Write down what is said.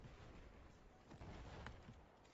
Turner was convicted of malfeasance.